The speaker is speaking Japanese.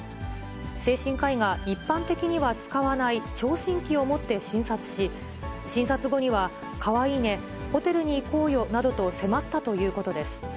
精神科医が一般的には使わない聴診器を持って診察し、診察後には、かわいいね、ホテルに行こうよなどと迫ったということです。